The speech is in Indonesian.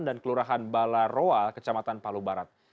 dan kelurahan balaroa kecamatan palu barat